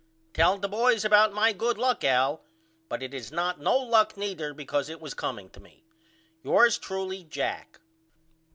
Tell the boys about my good luck Al but it is not no luck neither because it was comeing to me. Yours truly, JACK.